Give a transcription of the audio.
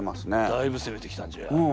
だいぶせめてきたんじゃ。